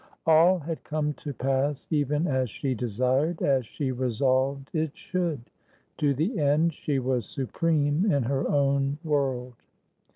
All had come to pass even as she desired, as she resolved it should. To the end she was supreme in her own world.